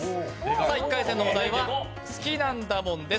１回戦のお題は「好きなんだもん」です